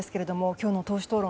今日の党首討論